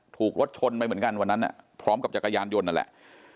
ถูกรถชนไปเหมือนกันวันนั้นพร้อมกับจักรยานยนต์นั่นแหละ